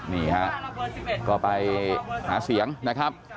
นี่ฮะก็ไปหาเสียงนะครับ